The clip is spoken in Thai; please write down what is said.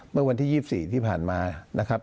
เมื่อวันที่๒๔ที่ผ่านมานะครับ